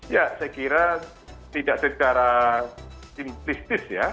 ya saya kira tidak secara simplistis ya